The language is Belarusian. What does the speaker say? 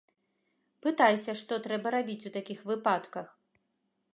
Пытайся, што трэба рабіць у такіх выпадках.